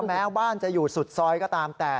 แม้บ้านจะอยู่สุดซอยก็ตามแต่